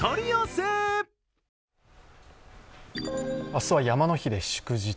明日は山の日で祝日。